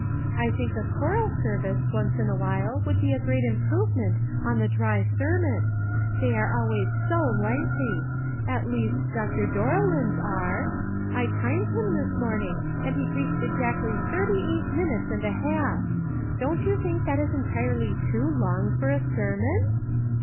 I think a choral service once in a while would be a great improvement on the dry sermon. They are always so lengthy ; at least Dr. Doriland's are. I timed him this morning, and he preached exactly thirty eight minutes and a half. Don't you think that is entirely too long for a sermon